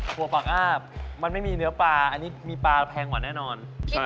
ถั่วปากอาบมันไม่มีเนื้อปลามีปลาแพงกว่าน่านอน